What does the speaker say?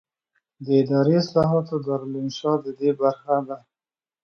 د اداري اصلاحاتو دارالانشا ددې برخه ده.